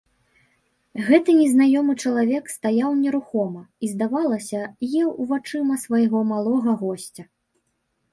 Гэты незнаёмы чалавек стаяў нерухома і, здавалася, еў вачыма свайго малога госця.